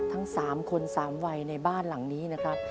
ทั้ง๓คน๓วัยในบ้านหลังนี้นะครับ